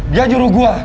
dia juruh gue